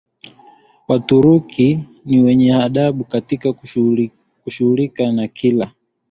Waturuki ni wenye adabu katika kushughulika na kila